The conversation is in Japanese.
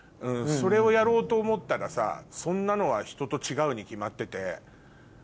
それをやろうと思ったらさそんなのはひとと違うに決まってて。